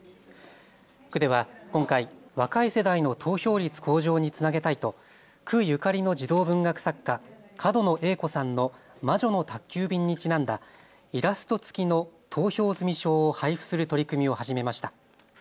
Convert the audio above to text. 区では今回若い世代の投票率向上につなげたいと区ゆかりの児童文学作家、角野栄子さんの魔女の宅急便にちなんだイラスト付きの投票済証を配布する取り組みを始めました。